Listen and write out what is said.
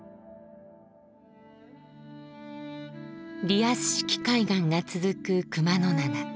リアス式海岸が続く熊野灘。